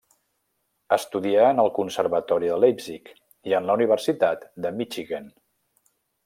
Estudià en el Conservatori de Leipzig i en la Universitat de Michigan.